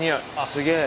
すげえ。